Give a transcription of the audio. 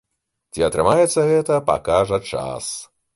Ці атрымаецца гэта, пакажа час.